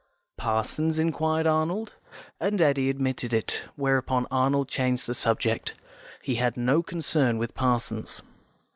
"Parsons?" inquired Arnold, and Eddy admitted it, where upon Arnold changed the subject; he had no concern with Parsons.